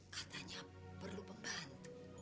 katanya perlu beban